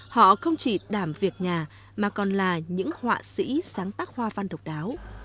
họ không chỉ đảm việc nhà mà còn là những họa sĩ sáng tác hoa văn độc đáo